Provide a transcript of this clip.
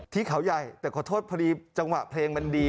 ที่เขาใหญ่แต่ขอโทษพอดีจังหวะเพลงมันดี